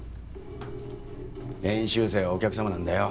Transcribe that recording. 練習生はお客様なんだよ。